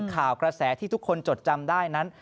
กระแสที่ทุกคนจดจำได้นั้น